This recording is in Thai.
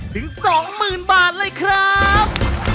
ถึง๒๐๐๐บาทเลยครับ